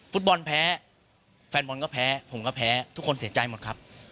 ฟุตบอลแพ้แฟนบอลก็แพ้ผมก็แพ้ทุกคนเสียใจหมดครับ